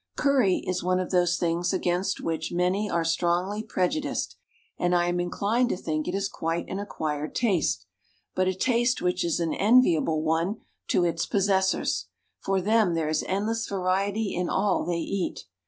Curry is one of those things against which many are strongly prejudiced, and I am inclined to think it is quite an acquired taste, but a taste which is an enviable one to its possessors; for them there is endless variety in all they eat.